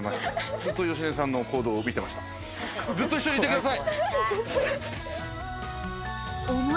ずっと一緒にいてください！